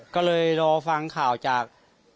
ก็เลยรอฟังข่าวจาก